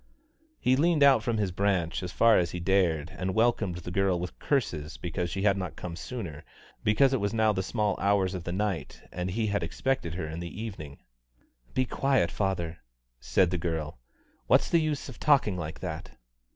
He leaned out from his branch as far as he dared, and welcomed the girl with curses because she had not come sooner, because it was now the small hours of the night and he had expected her in the evening. "Be quiet, father," said the girl; "what's the use of talking like that!"